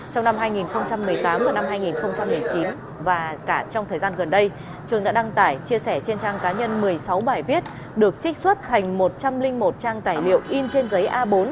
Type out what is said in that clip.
trong năm hai nghìn một mươi tám và năm hai nghìn một mươi chín và cả trong thời gian gần đây trường đã đăng tải chia sẻ trên trang cá nhân một mươi sáu bài viết được trích xuất thành một trăm linh một trang tài liệu in trên giấy a bốn